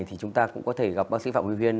thì chúng ta cũng có thể gặp bác sĩ phạm huy huyên